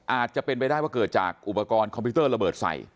อาจจะเป็นไปได้ว่าเกิดจากอุปกรณ์คอมพิวเตอร์ระเบิดใส่